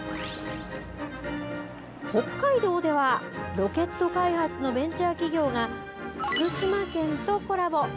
北海道ではロケット開発のベンチャー企業が福島県とコラボ。